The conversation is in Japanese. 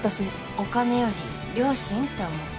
お金より良心って思って。